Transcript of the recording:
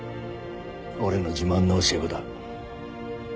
俺の自慢の教え子だ。